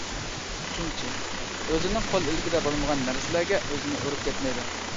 ئۈچىنچى:ئۆزىنىڭ قول ئىلكىدە بولمىغان نەرسىلەرگە ئۆزىنى ئۇرۇپ كەتمەيدۇ.